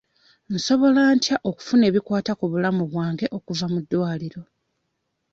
Nsobola ntya okufuna ebikwata ku bulamu bwange okuva mu ddwaliro?